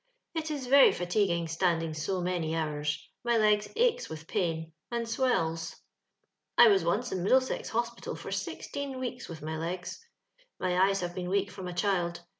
It is very fatiguing standing so manr hours; my legs aches with pain, and swells. I was once in Middlesex Hospital for sixteen weeks with my legs. My eyes have been weak from a child.